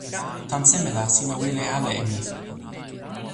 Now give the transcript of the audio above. tan seme la sina wile ala e mi?